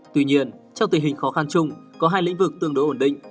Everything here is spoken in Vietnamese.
tuy nhiên trong tình hình khó khăn chung có hai lĩnh vực tương đối ổn định